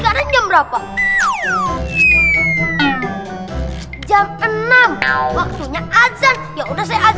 ustadz nah gitu pak ustadz